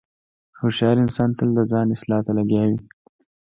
هوښیار انسان تل د ځان اصلاح ته لګیا وي.